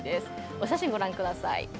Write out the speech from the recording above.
お写真、ご覧ください。